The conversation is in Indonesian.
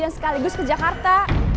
dan sekaligus ke jakarta